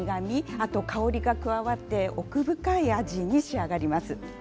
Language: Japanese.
あと香りが加わって奥深い味に仕上がります。